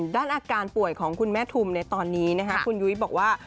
ด้านอาการป่วยของคุณแม่ทุมในตอนนี้นะคะคุณยุ้ยบอกว่า